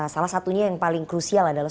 salah satunya yang paling krusial adalah